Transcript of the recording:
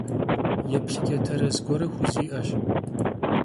Yêplhıç'e terez guere xuzi'eş.